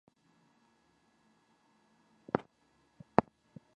تعلیم یافته میرمنې د خپلو سیمو په راتلونکي ډیر باور لري.